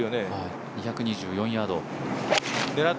２２４ヤード。